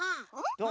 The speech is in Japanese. どう？